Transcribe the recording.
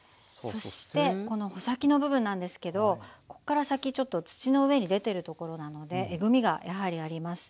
そしてこの穂先の部分なんですけどここから先ちょっと土の上に出てる所なのでえぐみがやはりあります。